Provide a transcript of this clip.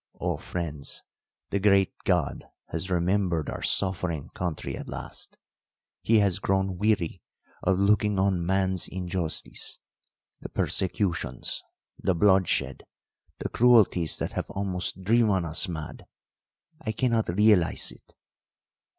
Oh, friends, the great God has remembered our suffering country at last! He has grown weary of looking on man's injustice, the persecutions, the bloodshed, the cruelties that have almost driven us mad. I cannot realise it!